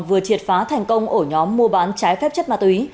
vừa triệt phá thành công ổ nhóm mua bán trái phép chất ma túy